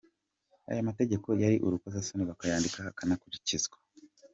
Ayo mategeko yari urukozasoni bakayandika akanakurikizwa.